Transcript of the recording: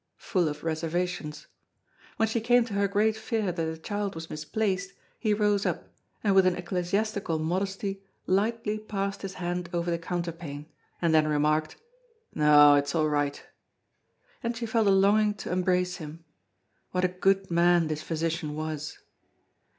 full of reservations. When she came to her great fear that the child was misplaced, he rose up, and with an ecclesiastical modesty, lightly passed his hand over the counterpane, and then remarked, "No, it's all right." And she felt a longing to embrace him. What a good man this physician was!